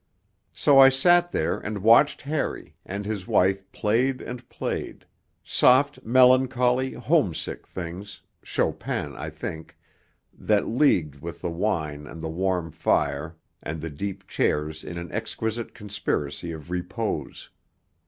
So I sat there and watched Harry, and his wife played and played soft, melancholy, homesick things (Chopin, I think), that leagued with the wine and the warm fire and the deep chairs in an exquisite conspiracy of repose.